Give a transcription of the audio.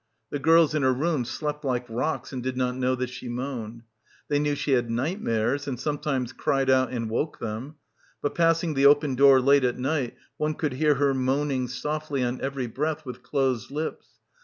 The girls in her room slept like rocks and did not know that she moaned. They knew she had night mares and sometimes cried out and woke them. — 278 — BACKWATER But passing the open door late at night one could hear her moaning softly on every breath with closed lips.